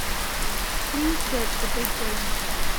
Please search The Big Game show.